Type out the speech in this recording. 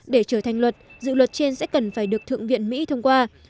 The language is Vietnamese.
để trở thành luật dự luật trên sẽ cần phải được thượng viện mỹ thông qua